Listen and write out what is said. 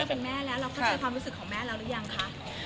เป็นแม่แล้วเราเข้าใจความรู้สึกของแม่แล้วหรือยังคะ